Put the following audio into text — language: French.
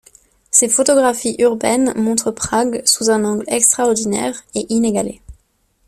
Ses photographies urbaines montrent Prague sous un angle extraordinaire et inégalé.